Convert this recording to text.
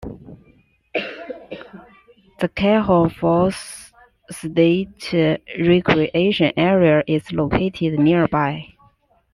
The Calhoun Falls State Recreation Area is located nearby.